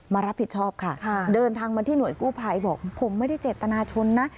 มารับผิดชอบค่ะเดินทางมาที่หน่วยกู้ภัยบอกผมไม่ได้เจตนาชนนะ